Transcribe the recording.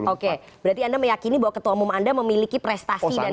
oke berarti anda meyakini bahwa ketua umum anda memiliki prestasi dan